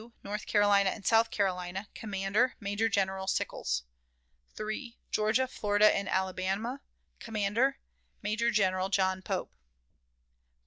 North Carolina and South Carolina, commander, Major General Sickles; 3. Georgia, Florida, and Alabama, commander, Major General John Pope; 4.